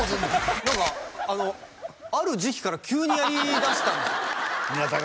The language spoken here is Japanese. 何かある時期から急にやりだしたんですよ宮田が？